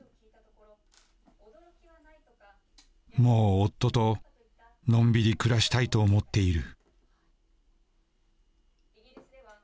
もう夫とのんびり暮らしたいと思っている。